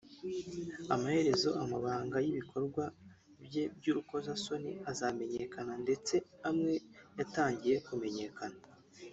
amaherezo amabanga y’ibikorwa bye by’urukozasoni azamenyekana ndetse amwe yatangiye kumenyekana